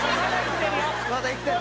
「まだ生きてる」